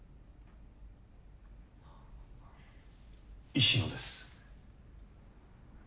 石野です。